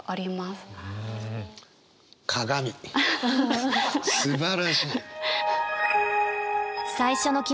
すばらしい。